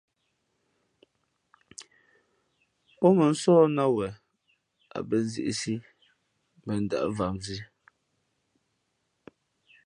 Pó mᾱnsóh nāt wen a bᾱ nzīʼsī mbα ndα̌ʼ vam zǐ.